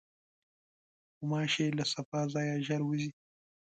غوماشې له صفا ځایه ژر وځي.